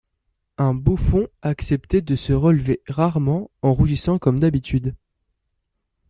Un bouffon acceptait de se relever rarement en rougissant comme d'habitude.